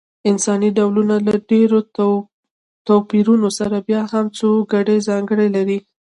انساني ډولونه له ډېرو توپیرونو سره بیا هم څو ګډې ځانګړنې لري.